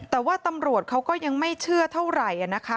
แต่ว่าตำรวจเขาก็ยังไม่เชื่อเท่าไหร่นะคะ